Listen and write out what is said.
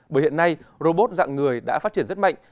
bởi hiện nay robot dạng người đã phát triển rất mạnh